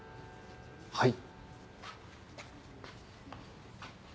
はい。